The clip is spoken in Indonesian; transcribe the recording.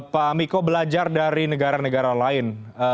pak miko belajar dari negara negara lain